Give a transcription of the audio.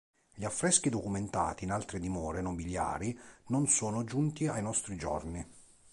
Gli affreschi documentati in altre dimore nobiliari non sono giunti ai nostri giorni.